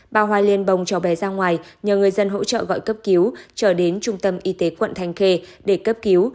bà hoa liên bồng cho bé ra ngoài nhờ người dân hỗ trợ gọi cấp cứu trở đến trung tâm y tế quận thanh khê để cấp cứu